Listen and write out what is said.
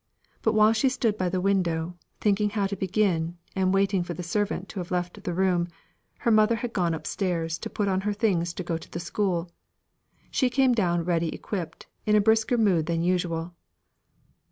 But while she stood by the window, thinking how to begin, and waiting for the servant to have left the room, her mother had gone up stairs to put on her things to go to the school. She came down ready equipped, in a brisker mood than usual.